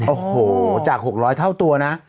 โอ้โหจาก๖๐๐เท่าตัวนะ